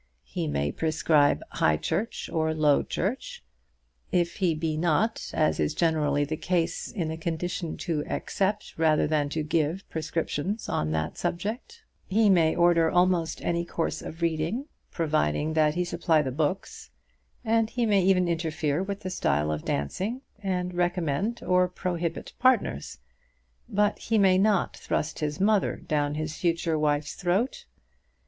He may prescribe high church or low church, if he be not, as is generally the case, in a condition to accept, rather than to give, prescriptions on that subject. He may order almost any course of reading, providing that he supply the books. And he may even interfere with the style of dancing, and recommend or prohibit partners. But he may not thrust his mother down his future wife's throat.